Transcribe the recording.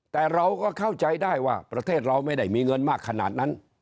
แต่เราก็เข้าใจได้ว่าประเทศเราไม่ได้มีเงินมากขนาดนั้น